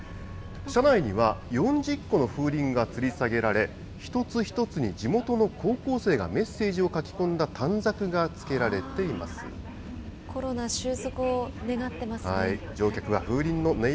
車内には、４０個の風鈴がつり下げられ、一つ一つに地元の高校生がメッセージを書き込んだ短冊がつけられコロナ収束を願ってますね。